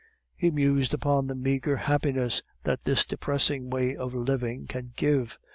He mused upon the meagre happiness that this depressing way of living can give.